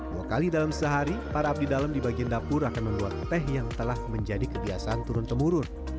dua kali dalam sehari para abdidalem dibagiin dapur akan menuak teh yang telah menjadi kebiasaan turun temurun